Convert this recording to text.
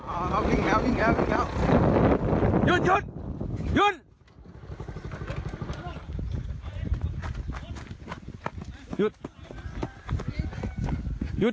อ่าเค้าวิ่งแถวหยุดหยุด